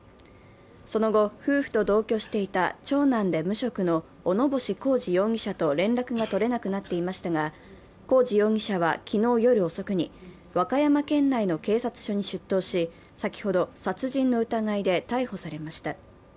その後、夫婦と同居していた長男で無職の小野星浩志容疑者と連絡が取れなくなっていましたが浩志容疑者は昨日夜遅くに和歌山県内の警察署に出頭し、先ほど殺人の疑いで逮捕されました。